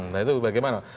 nah itu bagaimana